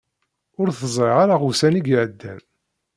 Ur t-zṛiɣ ara ussan i iɛeddan.